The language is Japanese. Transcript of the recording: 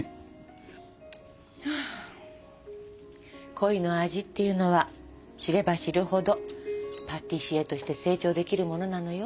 「恋の味」っていうのは知れば知るほどパティシエとして成長できるものなのよ。